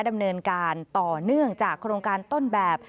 ดำเนินการต่อเนื่องจากโครงการต้นแบบ